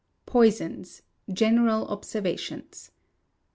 Poisons, General Observations.